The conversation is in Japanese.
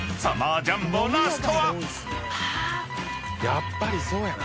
やっぱりそうやな。